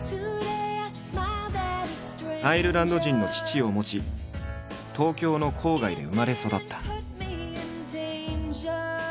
アイルランド人の父を持ち東京の郊外で生まれ育った。